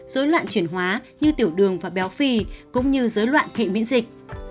rối loạn chuyển hóa như tiểu đường và béo phì cũng như rối loạn thị miễn dịch